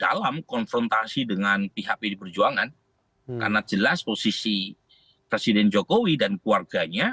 dalam konfrontasi dengan pihak pd perjuangan karena jelas posisi presiden jokowi dan keluarganya